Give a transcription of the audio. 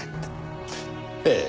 ええ。